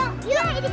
ya ini kamu betul